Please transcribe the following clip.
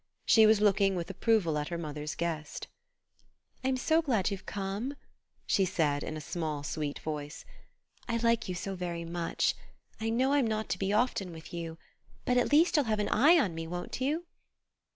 She was looking with approval at her mother's guest. "I'm so glad you've come," she said in a small sweet voice. "I like you so very much. I know I'm not to be often with you; but at least you'll have an eye on me, won't you?"